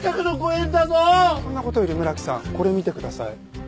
そんな事より村木さんこれ見てください。